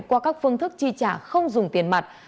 qua các phương thức chi trả không dùng tiền mặt